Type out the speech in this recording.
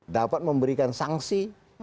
dapat memberikan sanksi